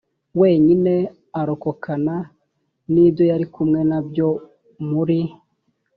wenyine arokokana n ibyo yari kumwe na byo muri